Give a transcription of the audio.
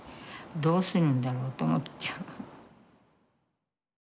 どうするんだろうと思っちゃう。